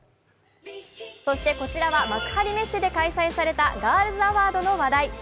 こちらは幕張メッセで開催されたガールズアワードの話題。